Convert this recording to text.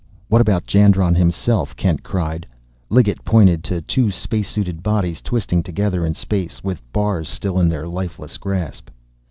"What about Jandron himself?" Kent cried. Liggett pointed to two space suited bodies twisting together in space, with bars still in their lifeless grasp.